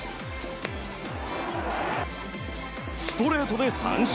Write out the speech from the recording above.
ストレートで三振。